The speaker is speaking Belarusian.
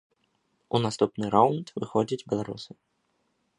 У наступны раўнд выходзяць беларусы.